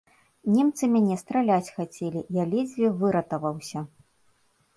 Немцы мяне страляць хацелі, я ледзьве выратаваўся.